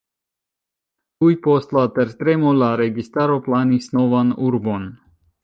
Tuj post la tertremo la registaro planis novan urbon.